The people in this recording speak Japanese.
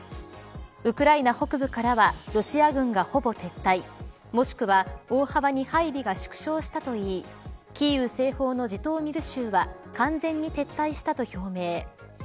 ウクライナ北部からはロシア軍がほぼ撤退もしくは大幅に配備が縮小したといいキーウ西方のジトーミル州は完全に撤退したと表明。